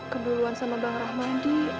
keduluan sama bang rahmadi